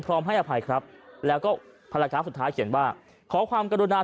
พร้อมให้อภัยครับแล้วก็ภรรยาสุดท้ายเขียนว่าขอความกรุณา